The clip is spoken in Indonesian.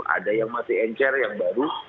ada yang masih encer yang baru